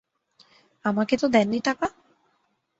আমাকে তো দেননি টাকা!